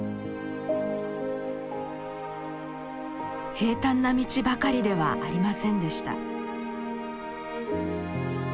平たんな道ばかりではありませんでした。